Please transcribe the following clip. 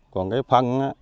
còn cái phân á